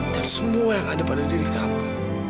dan semua yang ada pada diri kamu